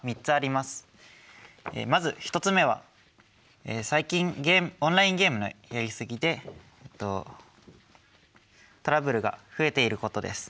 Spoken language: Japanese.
まず１つ目は最近オンラインゲームのやりすぎでトラブルが増えていることです。